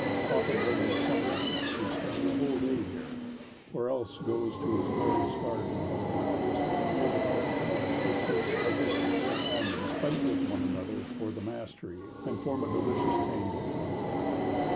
Often during the summer heats he spends the whole day here, or else he goes to his glorious garden about a mile distant, near the coast, where acacias, hibiscus, and almonds fight with one another for the mastery, and form a delicious tangle.